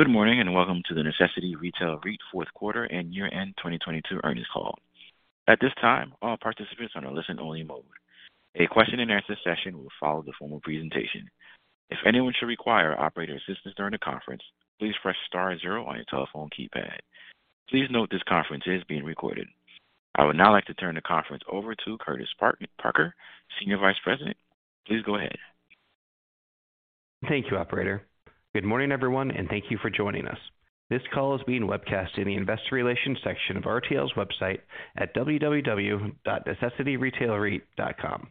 Good morning, welcome to The Necessity Retail REIT Fourth Quarter and Year End 2022 Earnings Call. At this time, all participants are in a listen only mode. A question and answer session will follow the formal presentation. If anyone should require operator assistance during the conference, please press star 0 on your telephone keypad. Please note this conference is being recorded. I would now like to turn the conference over to Curtis Parker, Senior Vice President. Please go ahead. Thank you, operator. Good morning, everyone, and thank you for joining us. This call is being webcast in the investor relations section of RTL's website at www.necessityretailreit.com.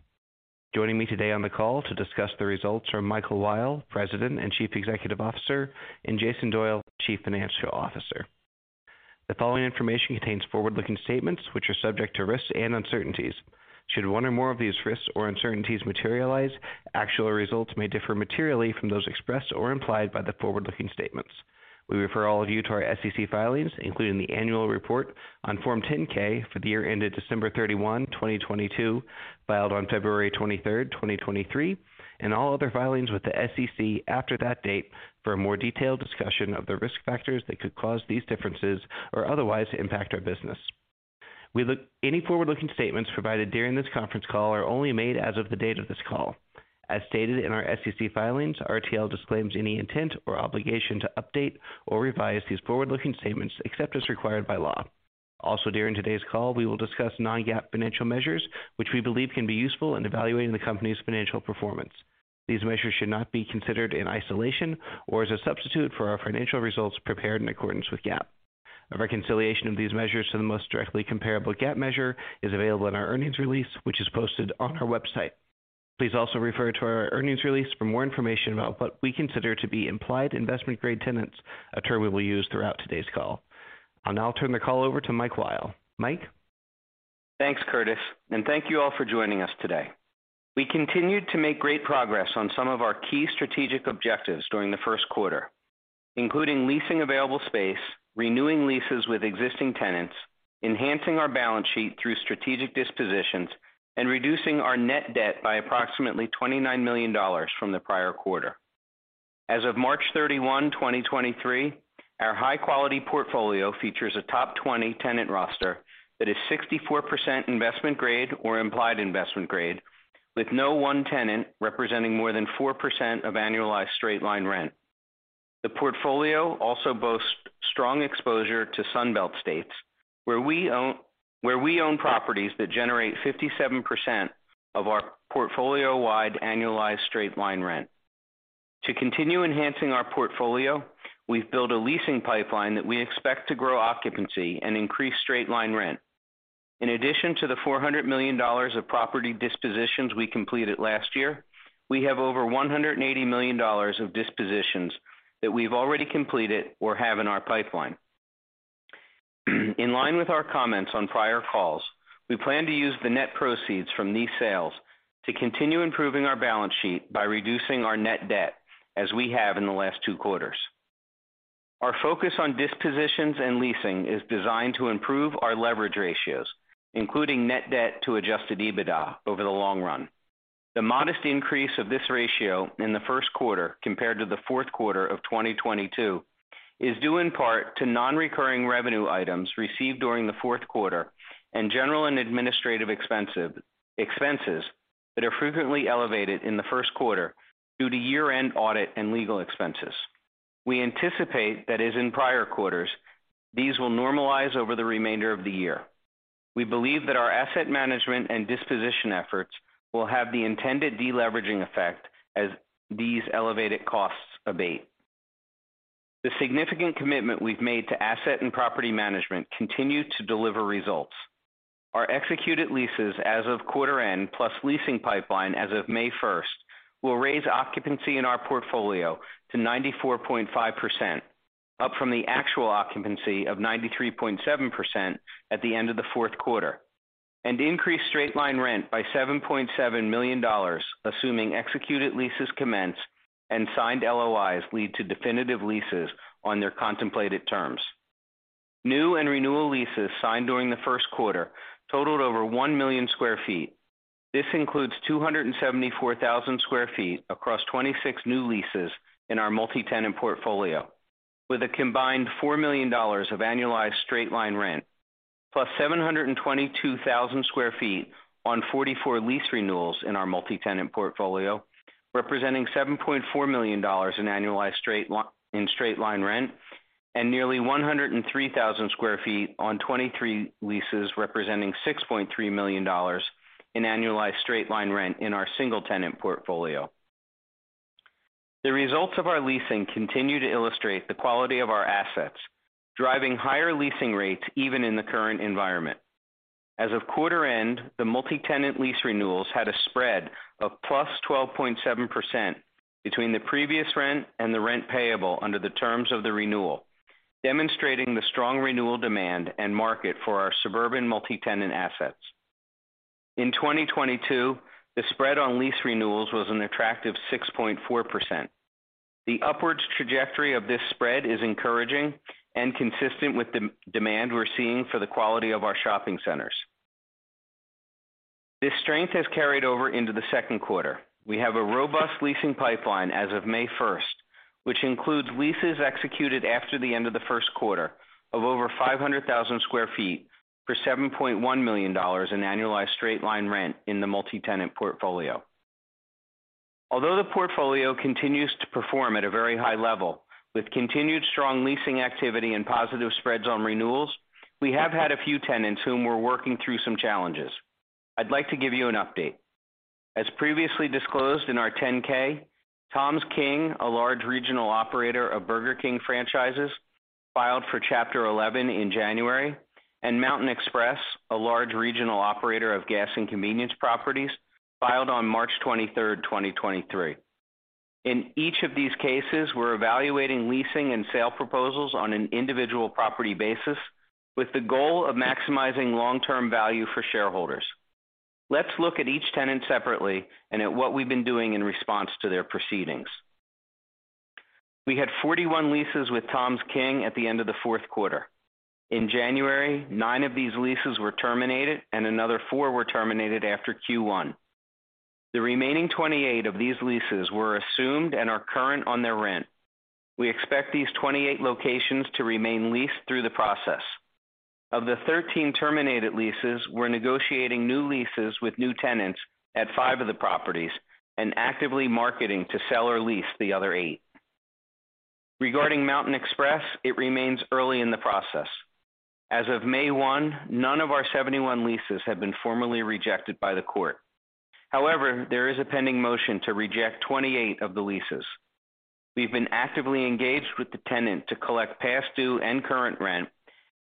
Joining me today on the call to discuss the results are Michael Weil, President and Chief Executive Officer, and Jason Doyle, Chief Financial Officer. The following information contains forward-looking statements which are subject to risks and uncertainties. Should one or more of these risks or uncertainties materialize, actual results may differ materially from those expressed or implied by the forward-looking statements. We refer all of you to our SEC filings, including the annual report on Form 10-K for the year ended December 31, 2022, filed on February 23, 2023, and all other filings with the SEC after that date for a more detailed discussion of the risk factors that could cause these differences or otherwise impact our business. Any forward-looking statements provided during this conference call are only made as of the date of this call. As stated in our SEC filings, RTL disclaims any intent or obligation to update or revise these forward-looking statements except as required by law. Also, during today's call, we will discuss non-GAAP financial measures, which we believe can be useful in evaluating the company's financial performance. These measures should not be considered in isolation or as a substitute for our financial results prepared in accordance with GAAP. A reconciliation of these measures to the most directly comparable GAAP measure is available in our earnings release, which is posted on our website. Please also refer to our earnings release for more information about what we consider to be implied investment grade tenants, a term we will use throughout today's call. I'll now turn the call over to Mike Weil. Mike? Thanks, Curtis, thank you all for joining us today. We continued to make great progress on some of our key strategic objectives during the first quarter, including leasing available space, renewing leases with existing tenants, enhancing our balance sheet through strategic dispositions, and reducing our net debt by approximately $29 million from the prior quarter. As of March 31, 2023, our high quality portfolio features a top 20 tenant roster that is 64% investment grade or implied investment grade, with no one tenant representing more than 4% of annualized straight-line rent. The portfolio also boasts strong exposure to Sun Belt states where we own properties that generate 57% of our portfolio wide annualized straight-line rent. To continue enhancing our portfolio, we've built a leasing pipeline that we expect to grow occupancy and increase straight-line rent. In addition to the $400 million of property dispositions we completed last year, we have over $180 million of dispositions that we've already completed or have in our pipeline. In line with our comments on prior calls, we plan to use the net proceeds from these sales to continue improving our balance sheet by reducing our net debt as we have in the last two quarters. Our focus on dispositions and leasing is designed to improve our leverage ratios, including net debt to adjusted EBITDA over the long run. The modest increase of this ratio in the first quarter compared to the fourth quarter of 2022 is due in part to non-recurring revenue items received during the fourth quarter and general and administrative expenses that are frequently elevated in the first quarter due to year-end audit and legal expenses. We anticipate that as in prior quarters, these will normalize over the remainder of the year. We believe that our asset management and disposition efforts will have the intended deleveraging effect as these elevated costs abate. The significant commitment we've made to asset and property management continue to deliver results. Our executed leases as of quarter end, plus leasing pipeline as of May 1st, will raise occupancy in our portfolio to 94.5%, up from the actual occupancy of 93.7% at the end of the fourth quarter, and increase straight-line rent by $7.7 million, assuming executed leases commence and signed LOIs lead to definitive leases on their contemplated terms. New and renewal leases signed during the first quarter totaled over 1 million sq ft. This includes 274,000 sq ft across 26 new leases in our multi-tenant portfolio with a combined $4 million of annualized straight-line rent, plus 722,000 sq ft on 44 lease renewals in our multi-tenant portfolio, representing $7.4 million in straight-line rent and nearly 103,000 sq ft on 23 leases representing $6.3 million in annualized straight-line rent in our single tenant portfolio. The results of our leasing continue to illustrate the quality of our assets, driving higher leasing rates even in the current environment. As of quarter end, the multi-tenant lease renewals had a spread of +12.7% between the previous rent and the rent payable under the terms of the renewal, demonstrating the strong renewal demand and market for our suburban multi-tenant assets. In 2022, the spread on lease renewals was an attractive 6.4%. The upwards trajectory of this spread is encouraging and consistent with the demand we're seeing for the quality of our shopping centers. This strength has carried over into the second quarter. We have a robust leasing pipeline as of May 1st, which includes leases executed after the end of the first quarter of over 500,000 sq ft for $7.1 million in annualized straight-line rent in the multi-tenant portfolio. The portfolio continues to perform at a very high level with continued strong leasing activity and positive spreads on renewals, we have had a few tenants whom we're working through some challenges. I'd like to give you an update. As previously disclosed in our 10-K, TOMS King, a large regional operator of Burger King franchises, filed for Chapter 11 in January, and Mountain Express, a large regional operator of gas and convenience properties, filed on March 23, 2023. In each of these cases, we're evaluating leasing and sale proposals on an individual property basis with the goal of maximizing long-term value for shareholders. Let's look at each tenant separately and at what we've been doing in response to their proceedings. We had 41 leases with TOMS King at the end of the fourth quarter. In January, 9 of these leases were terminated and another 4 were terminated after Q1. The remaining 28 of these leases were assumed and are current on their rent. We expect these 28 locations to remain leased through the process. Of the 13 terminated leases, we're negotiating new leases with new tenants at 5 of the properties and actively marketing to sell or lease the other 8. Regarding Mountain Express, it remains early in the process. As of May 1, none of our 71 leases have been formally rejected by the court. There is a pending motion to reject 28 of the leases. We've been actively engaged with the tenant to collect past due and current rent,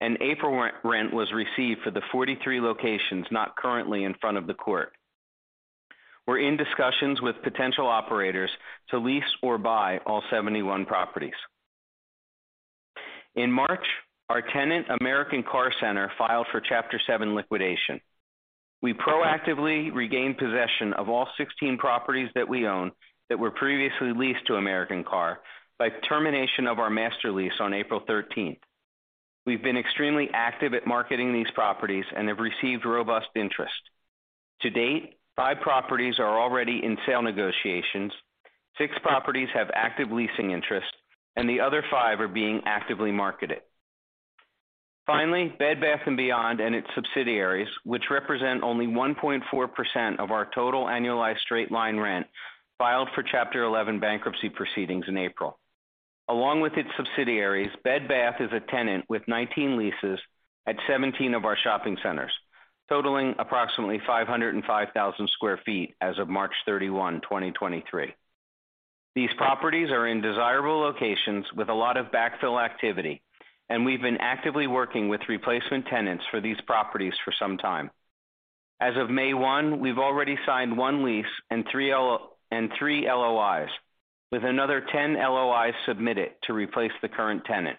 April rent was received for the 43 locations not currently in front of the court. We're in discussions with potential operators to lease or buy all 71 properties. In March, our tenant, American Car Center, filed for Chapter 7 liquidation. We proactively regained possession of all 16 properties that we own that were previously leased to American Car by termination of our Master Lease on April 13th. We've been extremely active at marketing these properties and have received robust interest. To date, five properties are already in sale negotiations, six properties have active leasing interest, and the other five are being actively marketed. Finally, Bed Bath & Beyond and its subsidiaries, which represent only 1.4% of our total annualized straight-line rent, filed for Chapter 11 bankruptcy proceedings in April. Along with its subsidiaries, Bed Bath is a tenant with 19 leases at 17 of our shopping centers, totaling approximately 505,000 sq ft as of March 31, 2023. These properties are in desirable locations with a lot of backfill activity, and we've been actively working with replacement tenants for these properties for some time. As of May 1, we've already signed one lease and three LOIs, with another 10 LOIs submitted to replace the current tenant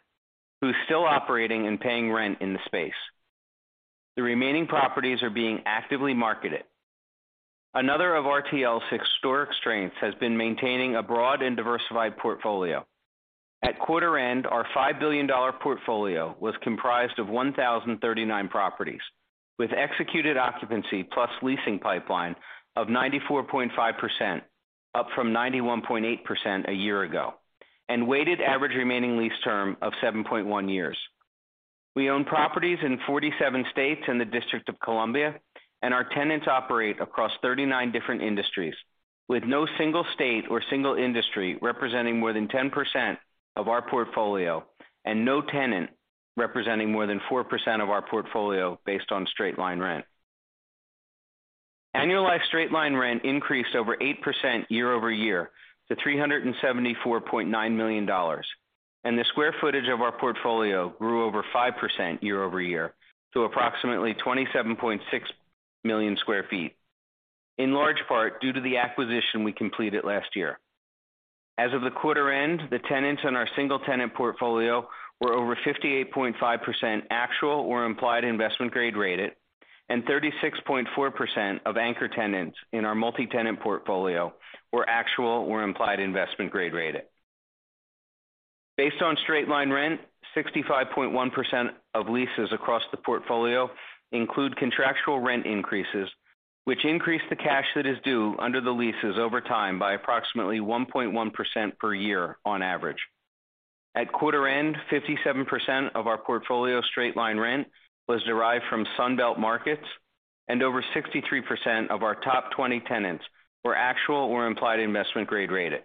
who's still operating and paying rent in the space. The remaining properties are being actively marketed. Another of RTL's historic strengths has been maintaining a broad and diversified portfolio. At quarter end, our $5 billion portfolio was comprised of 1,039 properties, with executed occupancy plus leasing pipeline of 94.5%, up from 91.8% a year ago, and weighted average remaining lease term of 7.1 years. We own properties in 47 states in the District of Columbia, and our tenants operate across 39 different industries, with no single state or single industry representing more than 10% of our portfolio and no tenant representing more than 4% of our portfolio based on straight-line rent. Annualized straight-line rent increased over 8% year-over-year to $374.9 million, and the square footage of our portfolio grew over 5% year-over-year to approximately 27.6 million sq ft, in large part due to the acquisition we completed last year. As of the quarter end, the tenants in our single-tenant portfolio were over 58.5% actual or implied investment grade rated, and 36.4% of anchor tenants in our multi-tenant portfolio were actual or implied investment grade rated. Based on straight-line rent, 65.1% of leases across the portfolio include contractual rent increases, which increase the cash that is due under the leases over time by approximately 1.1% per year on average. At quarter end, 57% of our portfolio straight-line rent was derived from Sun Belt markets, and over 63% of our top 20 tenants were actual or implied investment grade rated.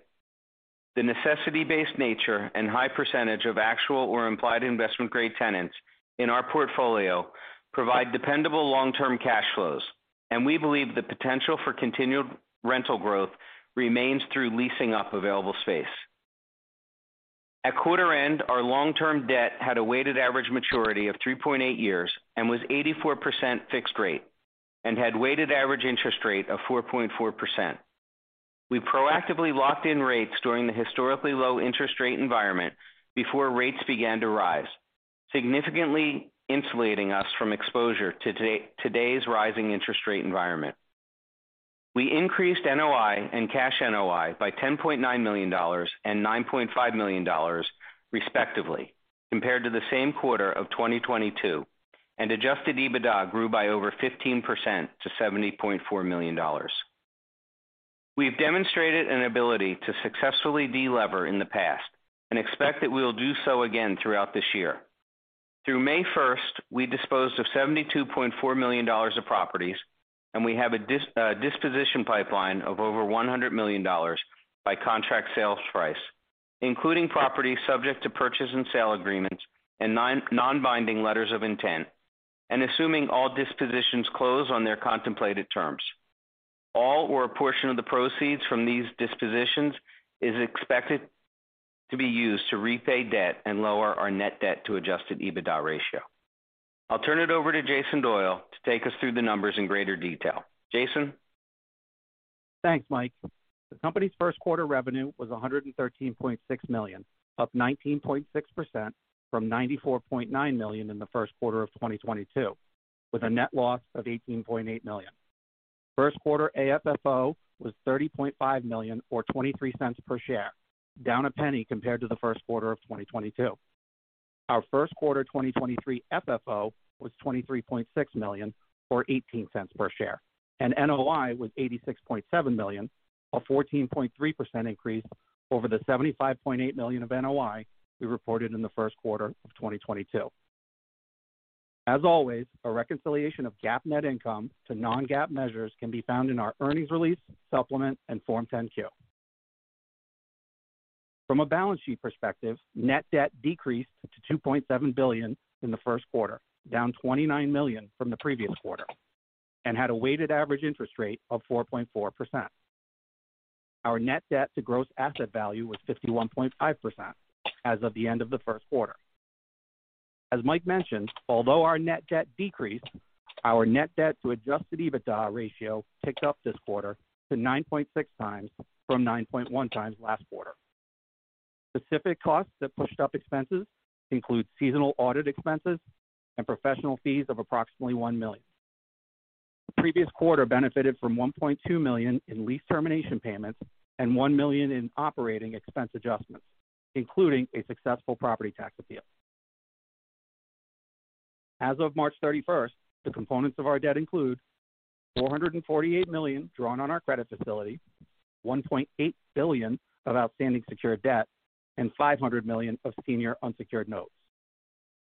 The necessity-based nature and high percentage of actual or implied investment grade tenants in our portfolio provide dependable long-term cash flows, and we believe the potential for continued rental growth remains through leasing up available space. At quarter end, our long-term debt had a weighted average maturity of 3.8 years and was 84% fixed rate and had weighted average interest rate of 4.4%. We proactively locked in rates during the historically low interest rate environment before rates began to rise, significantly insulating us from exposure to today's rising interest rate environment. We increased NOI and Cash NOI by $10.9 million and $9.5 million respectively compared to the same quarter of 2022, and adjusted EBITDA grew by over 15% to $70.4 million. We've demonstrated an ability to successfully de-lever in the past and expect that we'll do so again throughout this year. Through May 1st, we disposed of $72.4 million of properties, and we have a disposition pipeline of over $100 million by contract sales price, including properties subject to purchase and sale agreements and non-binding letters of intent, and assuming all dispositions close on their contemplated terms. All or a portion of the proceeds from these dispositions is expected to be used to repay debt and lower our net debt to adjusted EBITDA ratio. I'll turn it over to Jason Doyle to take us through the numbers in greater detail. Jason. Thanks, Mike. The company's first quarter revenue was $113.6 million, up 19.6% from $94.9 million in the first quarter of 2022, with a net loss of $18.8 million. First quarter AFFO was $30.5 million or $0.23 per share, down $0.01 compared to the first quarter of 2022. Our first quarter 2023 FFO was $23.6 million or $0.18 per share, and NOI was $86.7 million, a 14.3% increase over the $75.8 million of NOI we reported in the first quarter of 2022. As always, a reconciliation of GAAP net income to non-GAAP measures can be found in our earnings release supplement and Form 10-Q. From a balance sheet perspective, net debt decreased to $2.7 billion in the first quarter, down $29 million from the previous quarter, and had a weighted average interest rate of 4.4%. Our net debt to gross asset value was 51.5% as of the end of the first quarter. As Mike mentioned, although our net debt decreased, our net debt to adjusted EBITDA ratio ticked up this quarter to 9.6x from 9.1x last quarter. Specific costs that pushed up expenses include seasonal audit expenses and professional fees of approximately $1 million. The previous quarter benefited from $1.2 million in lease termination payments and $1 million in operating expense adjustments, including a successful property tax appeal. As of March 31st, the components of our debt include $448 million drawn on our Credit Facility, $1.8 billion of outstanding secured debt, and $500 million of senior unsecured notes.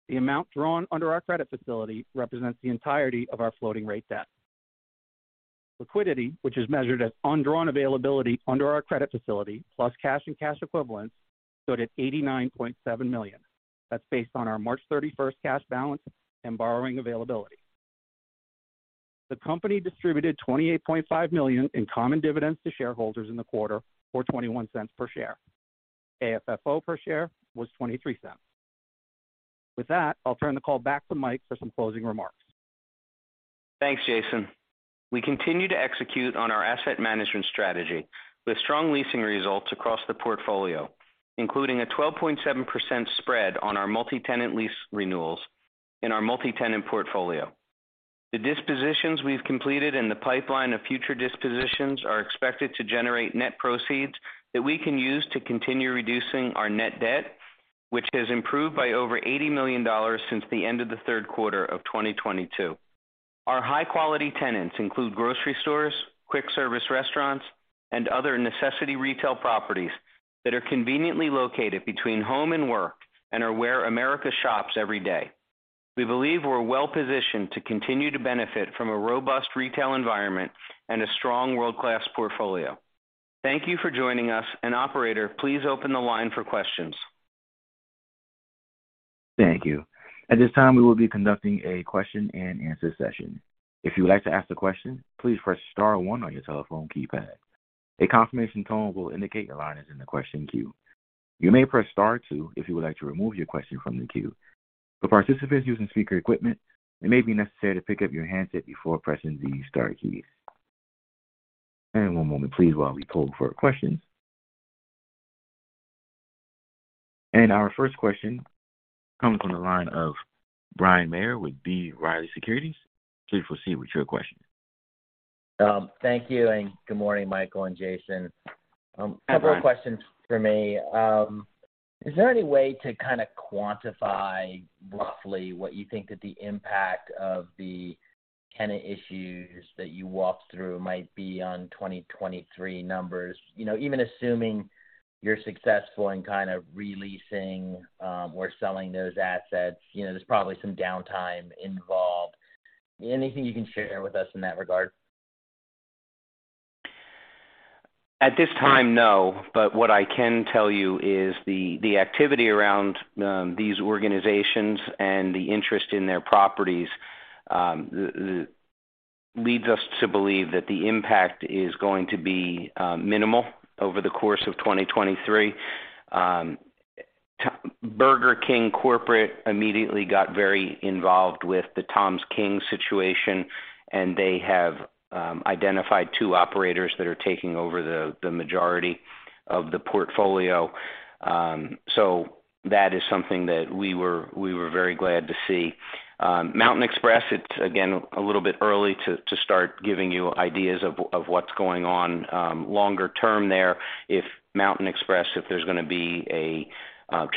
The amount drawn under our Credit Facility represents the entirety of our floating rate debt. Liquidity, which is measured as undrawn availability under our Credit Facility, plus cash and cash equivalents, stood at $89.7 million. That's based on our March 31st cash balance and borrowing availability. The company distributed $28.5 million in common dividends to shareholders in the quarter for $0.21 per share. AFFO per share was $0.23. With that, I'll turn the call back to Mike for some closing remarks. Thanks, Jason. We continue to execute on our asset management strategy with strong leasing results across the portfolio, including a 12.7% spread on our multi-tenant lease renewals in our multi-tenant portfolio. The dispositions we've completed and the pipeline of future dispositions are expected to generate net proceeds that we can use to continue reducing our net debt, which has improved by over $80 million since the end of the third quarter of 2022. Our high-quality tenants include grocery stores, Quick Service Restaurants, and other necessity retail properties that are conveniently located between home and work and are where America shops every day. We believe we're well positioned to continue to benefit from a robust retail environment and a strong world-class portfolio. Thank you for joining us. Operator, please open the line for questions. Thank you. At this time, we will be conducting a question and answer session. If you would like to ask a question, please press star one on your telephone keypad. A confirmation tone will indicate your line is in the question queue. You may press star two if you would like to remove your question from the queue. For participants using speaker equipment, it may be necessary to pick up your handset before pressing the star keys. One moment please while we pull for questions. Our first question comes from the line of Bryan Maher with B. Riley Securities. Please proceed with your question. Thank you, good morning, Michael and Jason. Hi, Bryan. A couple of questions for me. Is there any way to kind of quantify roughly what you think that the impact of the tenant issues that you walked through might be on 2023 numbers? You know, even assuming you're successful in kind of re-leasing, or selling those assets, you know, there's probably some downtime involved. Anything you can share with us in that regard? At this time, no. What I can tell you is the activity around these organizations and the interest in their properties leads us to believe that the impact is going to be minimal over the course of 2023. Burger King Corporate immediately got very involved with the TOMS King situation, and they have identified two operators that are taking over the majority of the portfolio. That is something that we were very glad to see. Mountain Express, it's again, a little bit early to start giving you ideas of what's going on longer term there. If Mountain Express, if there's gonna be a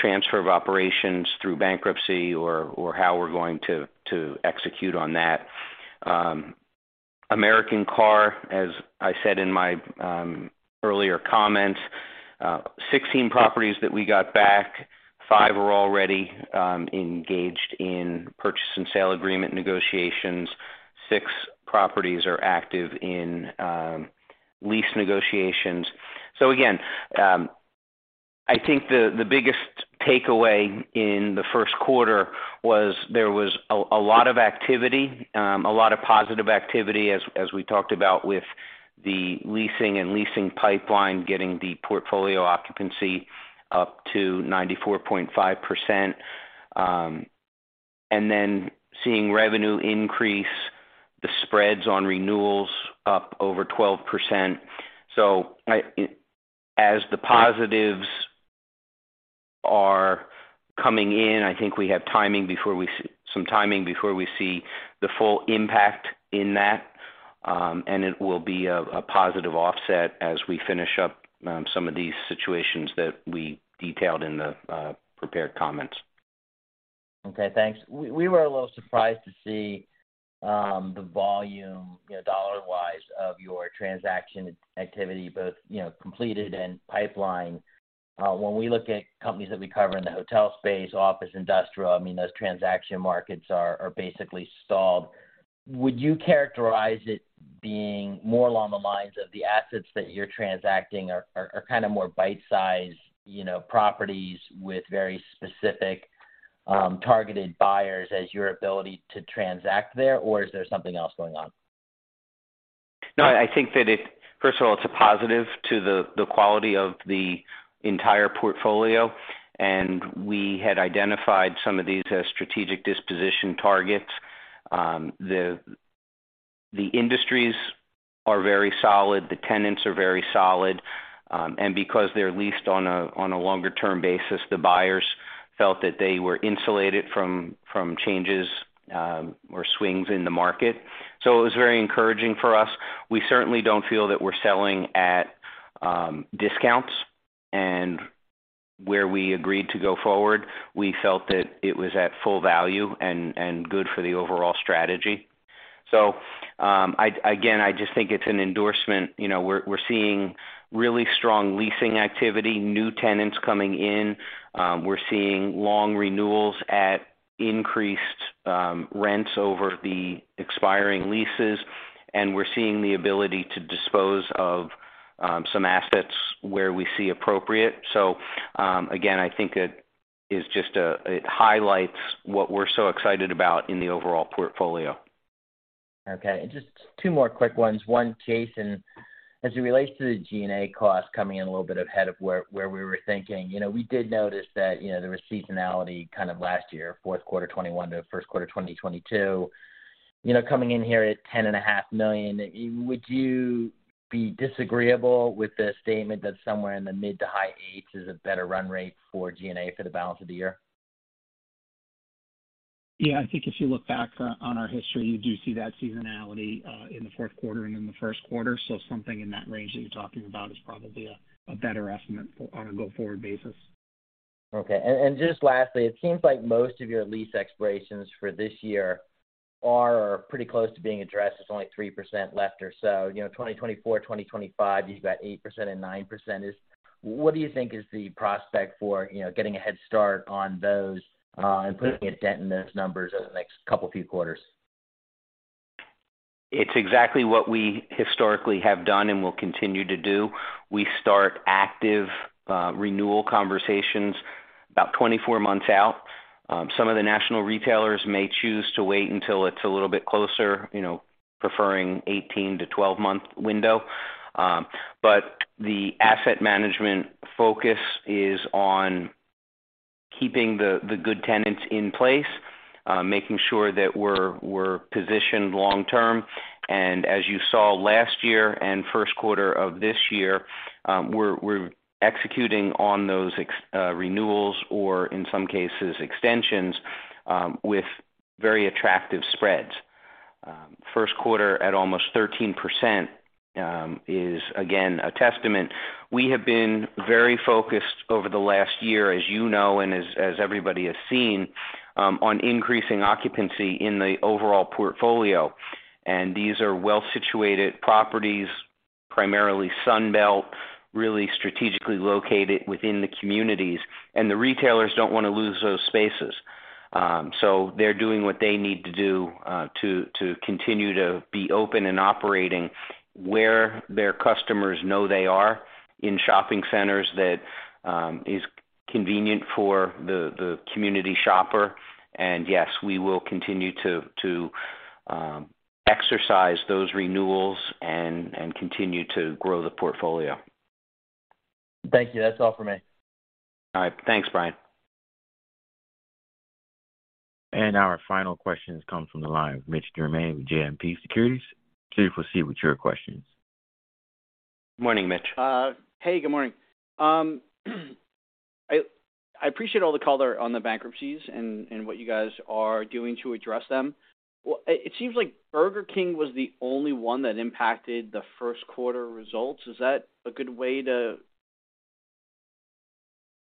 transfer of operations through bankruptcy or how we're going to execute on that. American Car, as I said in my earlier comments, 16 properties that we got back, 5 are already engaged in purchase and sale agreement negotiations. 6 properties are active in lease negotiations. Again, I think the biggest takeaway in the first quarter was there was a lot of activity, a lot of positive activity as we talked about with the leasing and leasing pipeline, getting the portfolio occupancy up to 94.5%. Then seeing revenue increase, the spreads on renewals up over 12%. As the positives are coming in, I think we have timing before we see some timing before we see the full impact in that. It will be a positive offset as we finish up some of these situations that we detailed in the prepared comments. Okay, thanks. We were a little surprised to see, you know, dollar-wise of your transaction activity, both, you know, completed and pipeline. When we look at companies that we cover in the hotel space, office, industrial, I mean, those transaction markets are basically stalled. Would you characterize it being more along the lines of the assets that you're transacting are kind of more bite-sized, you know, properties with very specific, targeted buyers as your ability to transact there, or is there something else going on? I think that it. First of all, it's a positive to the quality of the entire portfolio, and we had identified some of these as strategic disposition targets. The industries are very solid. The tenants are very solid. Because they're leased on a longer term basis, the buyers felt that they were insulated from changes or swings in the market. It was very encouraging for us. We certainly don't feel that we're selling at discounts. Where we agreed to go forward, we felt that it was at full value and good for the overall strategy. Again, I just think it's an endorsement. You know, we're seeing really strong leasing activity, new tenants coming in. We're seeing long renewals at increased rents over the expiring leases, and we're seeing the ability to dispose of some assets where we see appropriate. Again, I think it is just it highlights what we're so excited about in the overall portfolio. Okay. Just two more quick ones. One, Jason, as it relates to the G&A cost coming in a little bit ahead of where we were thinking, you know, we did notice that, you know, there was seasonality kind of last year, fourth quarter 2021 to first quarter 2022. Coming in here at $10.5 million, would you be disagreeable with the statement that somewhere in the mid to high 8s is a better run rate for G&A for the balance of the year? Yeah. I think if you look back on our history, you do see that seasonality in the fourth quarter and in the first quarter. Something in that range that you're talking about is probably a better estimate on a go-forward basis. Okay. Just lastly, it seems like most of your lease expirations for this year are pretty close to being addressed. It's only 3% left or so. You know, 2024, 2025, you've got 8% and 9%. What do you think is the prospect for, you know, getting a head start on those and putting a dent in those numbers over the next couple of few quarters? It's exactly what we historically have done and will continue to do. We start active renewal conversations about 24 months out. Some of the national retailers may choose to wait until it's a little bit closer, you know, preferring 18- to 12-month window. The asset management focus is on keeping the good tenants in place, making sure that we're positioned long term. As you saw last year and first quarter of this year, we're executing on those renewals or in some cases extensions, with very attractive spreads. First quarter at almost 13%, is again a testament. We have been very focused over the last year, as you know, and as everybody has seen, on increasing occupancy in the overall portfolio. These are well-situated properties, primarily Sunbelt, really strategically located within the communities. The retailers don't wanna lose those spaces. So they're doing what they need to do, to continue to be open and operating where their customers know they are in shopping centers that, is convenient for the community shopper. Yes, we will continue to exercise those renewals and continue to grow the portfolio. Thank you. That's all for me. All right. Thanks, Bryan. Our final questions comes from the line of Mitch Germain with JMP Securities. Please proceed with your questions. Morning, Mitch. Hey, good morning. I appreciate all the color on the bankruptcies and what you guys are doing to address them. It seems like Burger King was the only one that impacted the first quarter results. Is that a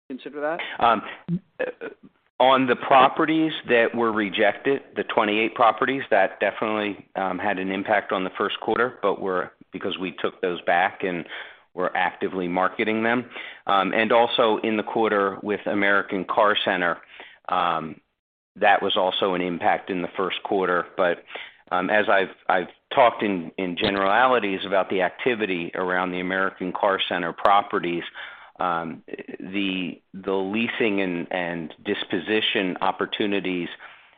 good way to consider that? On the properties that were rejected, the 28 properties, that definitely had an impact on the first quarter, because we took those back and we're actively marketing them. Also in the quarter with American Car Center, that was also an impact in the first quarter. As I've talked in generalities about the activity around the American Car Center properties, the leasing and disposition opportunities,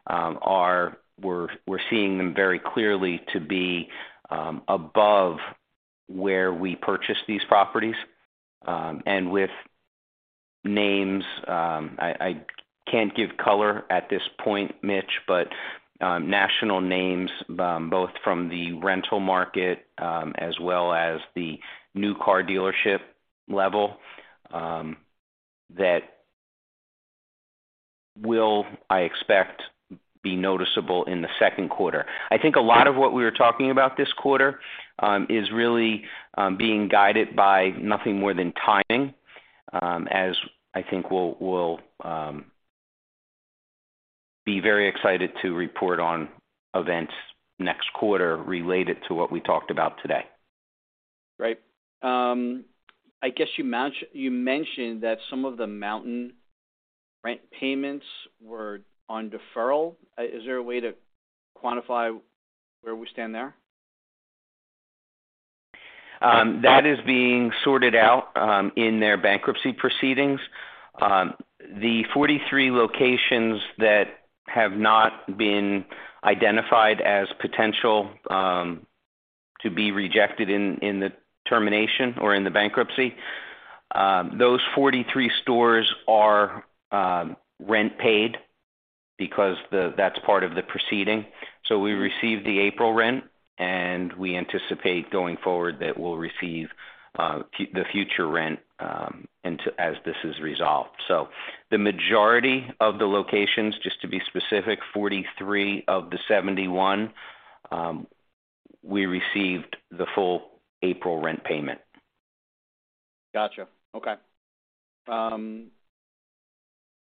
we're seeing them very clearly to be above where we purchased these properties. With names, I can't give color at this point, Mitch, but national names, both from the rental market, as well as the new car dealership level, that will, I expect, be noticeable in the second quarter. I think a lot of what we were talking about this quarter, is really, being guided by nothing more than timing, as I think we'll be very excited to report on events next quarter related to what we talked about today. Right. I guess you mentioned that some of the Mountain rent payments were on deferral. Is there a way to quantify where we stand there? That is being sorted out in their bankruptcy proceedings. The 43 locations that have not been identified as potential to be rejected in the termination or in the bankruptcy, those 43 stores are rent paid because that's part of the proceeding. We received the April rent, and we anticipate going forward that we'll receive the future rent into... as this is resolved. The majority of the locations, just to be specific, 43 of the 71, we received the full April rent payment. Gotcha. Okay.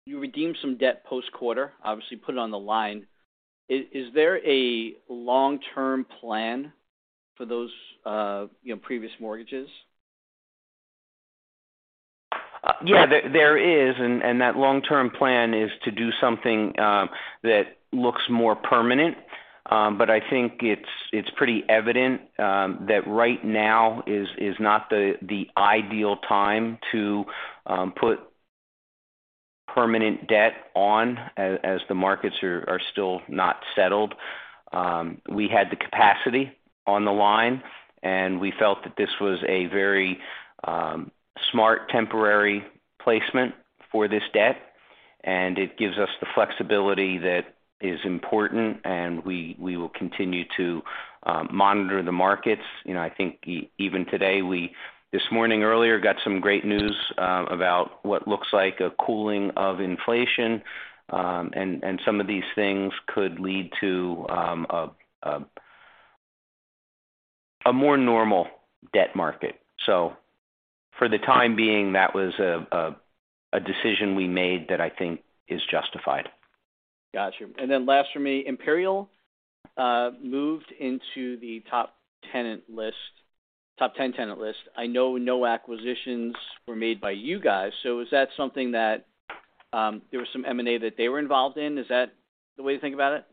You redeemed some debt post-quarter, obviously put it on the line. Is there a long-term plan for those, you know, previous mortgages? Yeah, there is, and that long-term plan is to do something that looks more permanent. I think it's pretty evident that right now is not the ideal time to put permanent debt on as the markets are still not settled. We had the capacity on the line, and we felt that this was a very smart temporary placement for this debt, and it gives us the flexibility that is important and we will continue to monitor the markets. You know, I think even today, we, this morning earlier, got some great news about what looks like a cooling of inflation, and some of these things could lead to a more normal debt market. For the time being, that was a decision we made that I think is justified. Got you. Last for me, Imperial moved into the top tenant list, top 10 tenant list. I know no acquisitions were made by you guys. Is that something that there was some M&A that they were involved in? Is that the way to think about it?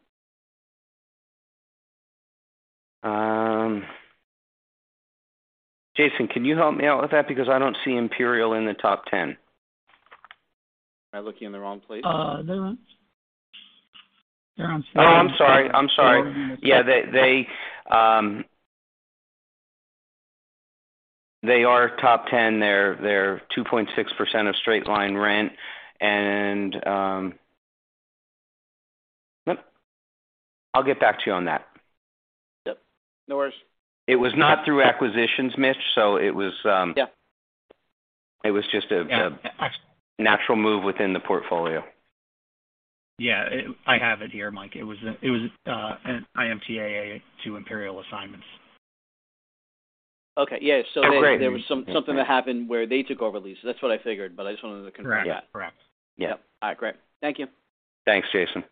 Jason, can you help me out with that? Because I don't see Imperial in the top ten. Am I looking in the wrong place? Uh, they're on... They're on- Oh, I'm sorry. I'm sorry. Yeah. They are top ten. They're 2.6% of straight-line rent. I'll get back to you on that. Yep. No worries. It was not through acquisitions, Mitch. Yeah. It was just a. Yeah. natural move within the portfolio. Yeah. I have it here, Mike. It was an IMTA to Imperial assignments. Okay. Yeah. Oh, great. There was something that happened where they took over the lease. That's what I figured, but I just wanted to confirm. Correct. Yeah. Correct. Yeah. All right. Great. Thank you. Thanks, Jason.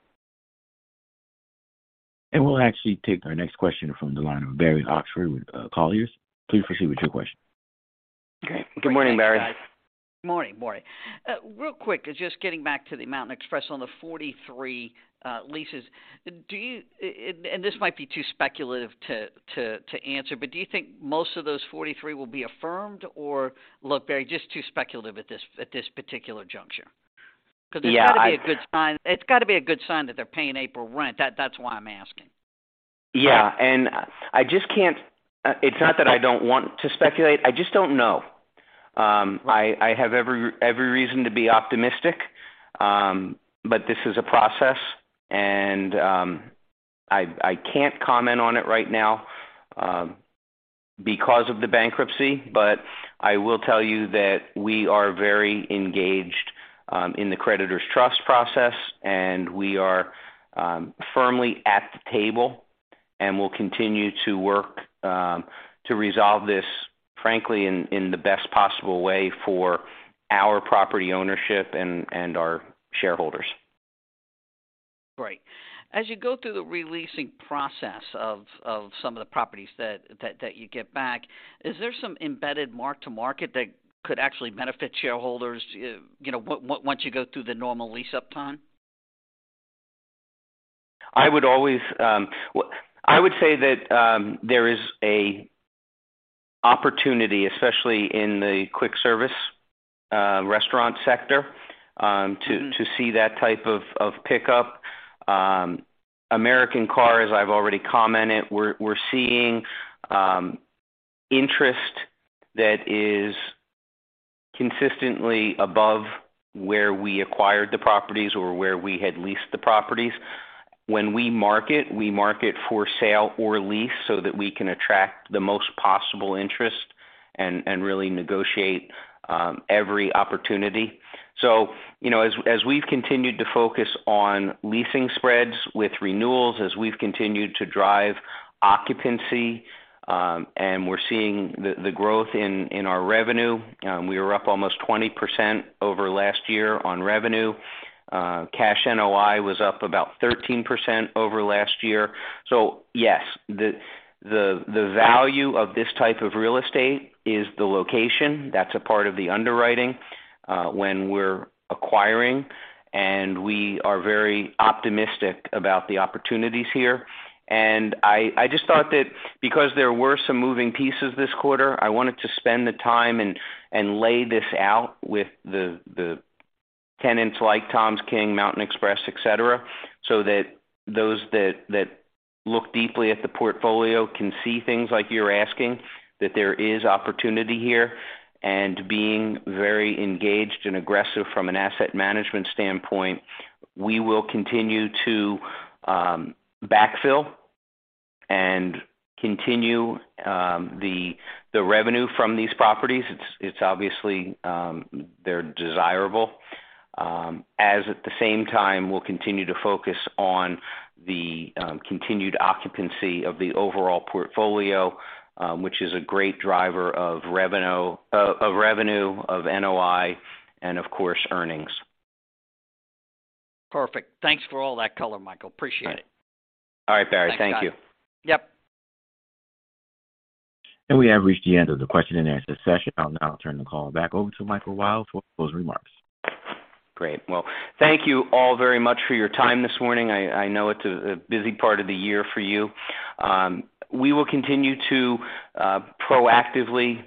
We'll actually take our next question from the line of Barry Oxford with, Colliers. Please proceed with your question. Great. Good morning, Barry. Morning, morning. Real quick, just getting back to the Mountain Express on the 43 leases. Do you, and this might be too speculative to answer, but do you think most of those 43 will be affirmed or look very just too speculative at this particular juncture? Yeah. 'Cause it's gotta be a good sign. It's gotta be a good sign that they're paying April rent. That's why I'm asking. Yeah. I just can't, it's not that I don't want to speculate, I just don't know. I have every reason to be optimistic, this is a process, and I can't comment on it right now, because of the bankruptcy. I will tell you that we are very engaged in the creditors' trust process, and we are firmly at the table, and we'll continue to work to resolve this, frankly, in the best possible way for our property ownership and our shareholders. Great. As you go through the re-leasing process of some of the properties that you get back, is there some embedded mark-to-market that could actually benefit shareholders, you know, once you go through the normal lease-up time? I would always... I would say that, there is a opportunity, especially in the Quick Service, Restaurant sector... Mm-hmm. To see that type of pickup. American Car, as I've already commented, we're seeing interest that is consistently above where we acquired the properties or where we had leased the properties. When we market, we market for sale or lease so that we can attract the most possible interest and really negotiate every opportunity. You know, as we've continued to focus on leasing spreads with renewals, as we've continued to drive occupancy, and we're seeing the growth in our revenue, we were up almost 20% over last year on revenue. Cash NOI was up about 13% over last year. Yes, the value of this type of real estate is the location. That's a part of the underwriting when we're acquiring, and we are very optimistic about the opportunities here. I just thought that because there were some moving pieces this quarter, I wanted to spend the time and lay this out with the tenants like TOMS King, Mountain Express, et cetera, so that those that look deeply at the portfolio can see things like you're asking, that there is opportunity here. Being very engaged and aggressive from an asset management standpoint, we will continue to backfill and continue the revenue from these properties. It's obviously, they're desirable. As at the same time, we'll continue to focus on the continued occupancy of the overall portfolio, which is a great driver of revenue, of NOI, and of course, earnings. Perfect. Thanks for all that color, Michael. Appreciate it. All right, Barry. Thank you. Yep. We have reached the end of the question and answer session. I'll now turn the call back over to Michael Weil for closing remarks. Great. Well, thank you all very much for your time this morning. I know it's a busy part of the year for you. We will continue to proactively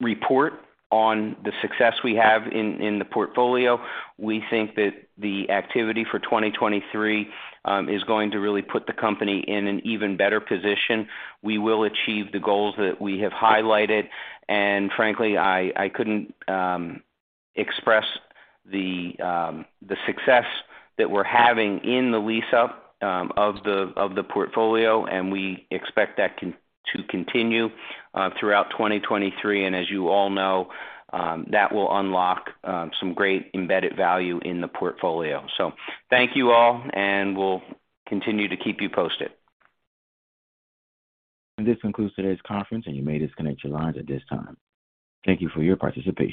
report on the success we have in the portfolio. We think that the activity for 2023 is going to really put the company in an even better position. We will achieve the goals that we have highlighted. Frankly, I couldn't express the success that we're having in the lease up of the portfolio, and we expect that to continue throughout 2023. As you all know, that will unlock some great embedded value in the portfolio. Thank you all, and we'll continue to keep you posted. This concludes today's conference, and you may disconnect your lines at this time. Thank you for your participation.